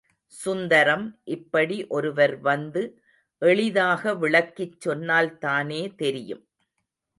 சுந்தரம் இப்படி ஒருவர் வந்து எளிதாக விளக்கிச் சொன்னால்தானே தெரியும்.